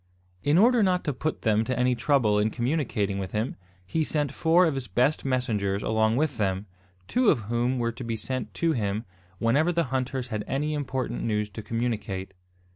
In order not to put them to any trouble in communicating with him, he sent four of his best messengers along with them, two of whom were to be sent to him whenever the hunters had any important news to communicate.